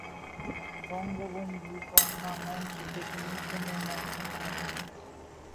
বঙ্গবন্ধু কন্যা মঞ্চ থেকে নিচে নেমে আসতে থাকেন।